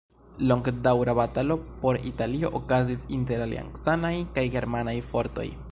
Longdaŭra batalo por Italio okazis inter Aliancanaj kaj Germanaj fortoj.